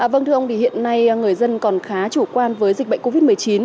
vâng thưa ông thì hiện nay người dân còn khá chủ quan với dịch bệnh covid một mươi chín